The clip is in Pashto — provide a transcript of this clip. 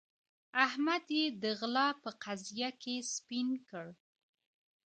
احمد يې د غلا په قضيه کې سپين کړ.